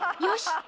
「よし。